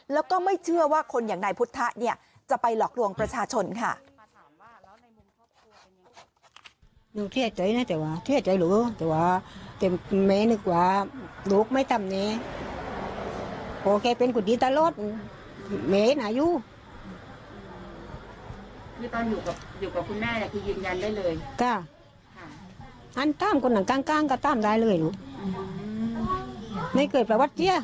แล้วก็ไม่เชื่อว่าคนอย่างนายพุทธะเนี่ยจะไปหลอกลวงประชาชนค่ะ